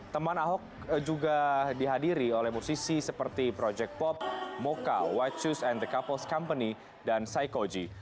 teman ahok juga dihadiri oleh musisi seperti project pop moka watchus and the couples company dan saikoji